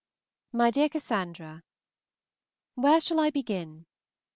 MY DEAR CASSANDRA, Where shall I begin?